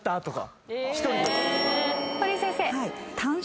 堀井先生。